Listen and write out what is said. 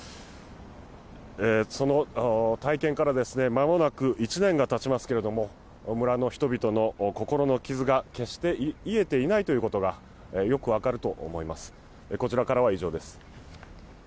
その体験から、間もなく１年がたちますけれども村の人々の心の傷が決して癒えていないことがよく分かると思います。